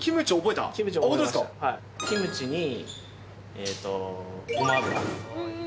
キムチに、ごま油。